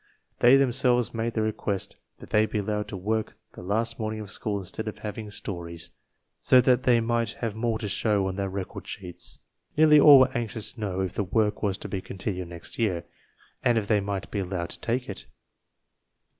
They them selves made the request that they be allowed to work the last morning of school instead of having stories, so 72 TESTS AND SCHOOL REORGANIZATION that they might have more to show on their Record Sheets. Nearly all were anxious to know if the work was to be continued next year, and if they might be allowed to take it."